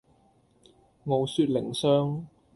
傲雪淩霜